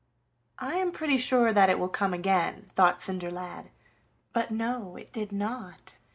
"I am pretty sure that it will come again," thought Cinderlad; but no, it did not.